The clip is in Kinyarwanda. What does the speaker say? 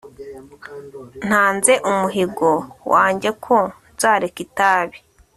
Ntanze umuhigo wanjye ko nzareka itabi